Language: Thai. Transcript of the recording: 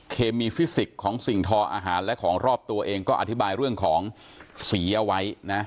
เคมีฟิสิกส์ของสิ่งทออาหารและของรอบตัวเองก็อธิบายเรื่องของสีเอาไว้นะ